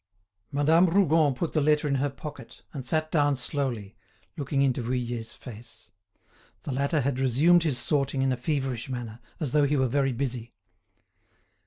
Madame Rougon put the letter in her pocket, and sat down slowly, looking into Vuillet's face. The latter had resumed his sorting in a feverish manner, as though he were very busy.